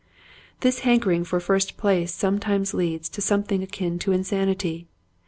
This hankering for first place some times leads to something akin to insanity.